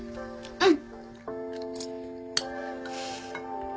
うん。